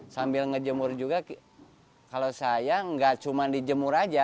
sambil ngejemur juga kalau saya nggak cuma dijemur aja